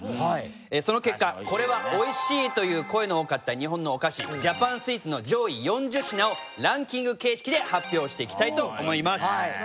その結果これはおいしい！という声の多かった日本のお菓子ジャパンスイーツの上位４０品をランキング形式で発表していきたいと思います。